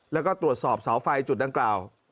แล้วก็ตรวจสอบเสาไฟจุดดังกล่าว